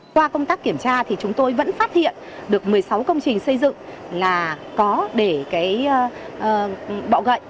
qua công tác kiểm tra thì chúng tôi vẫn phát hiện được một mươi sáu công trình xây dựng là có để bọ gậy